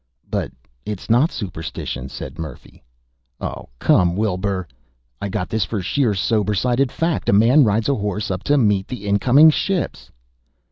"But it's not superstition," said Murphy. "Oh, come, Wilbur ..." "I got this for sheer sober sided fact. A man rides a horse up to meet the incoming ships!"